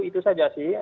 itu saja sih